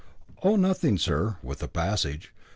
"Oh, nothing, sir, with the passage.